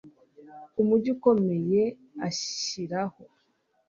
umugi ukomeye Ashyiraho